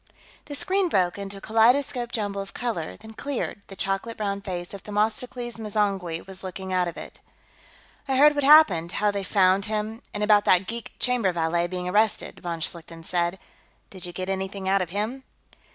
The screen broke into a kaleidoscopic jumble of color, then cleared; the chocolate brown face of Themistocles M'zangwe was looking out of it. "I heard what happened, how they found him, and about that geek chamber valet being arrested," von Schlichten said. "Did you get anything out of him?"